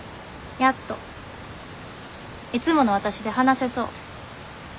やっといつものわたしで話せそう。